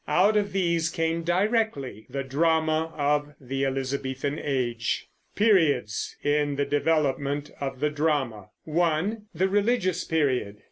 Out of these came directly the drama of the Elizabethan Age. PERIODS IN THE DEVELOPMENT OF THE DRAMA 1. THE RELIGIOUS PERIOD.